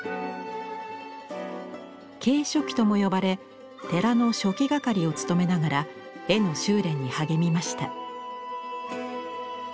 啓書記とも呼ばれ寺の書記係を務めながら絵の修練に励みました。